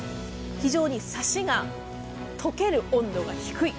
非常にサシが溶ける温度が低い。